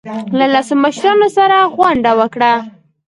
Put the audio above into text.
له لسو مشرانو سره غونډه وکړه.